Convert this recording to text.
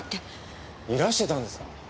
いらしてたんですか？